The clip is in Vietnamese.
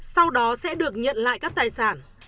sau đó sẽ được nhận lại các tài sản